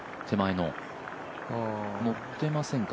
のってませんか。